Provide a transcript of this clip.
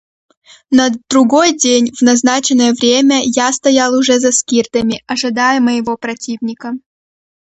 На другой день в назначенное время я стоял уже за скирдами, ожидая моего противника.